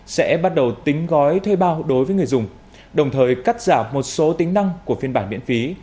sẽ bắt đầu tính gói thuê bao đối với người dùng đồng thời cắt giảm một số tính năng của phiên bản miễn phí